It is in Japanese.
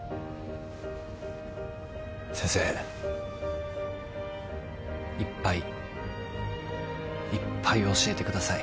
先生いっぱいいっぱい教えてください。